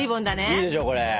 いいでしょこれ。